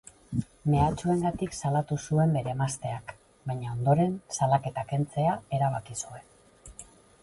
Mehatxuengatik salatu zuen bere emazteak, baina ondoren salaketa kentzea erabaki zuen.